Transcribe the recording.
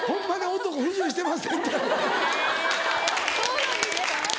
そうなんですか！